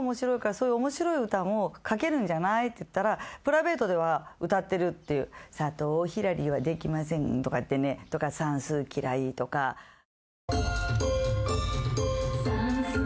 「そういう面白い歌も書けるんじゃない？」って言ったら「プライベートでは歌ってる」って「佐藤ひらりはできません」とかってねとか「算数嫌い」とか算数なんていらないよ